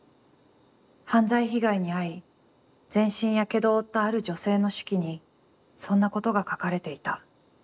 犯罪被害に遭い、全身火傷を負ったある女性の手記に、そんなことが書かれていた。